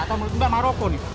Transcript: atau menurut mbak maroko nih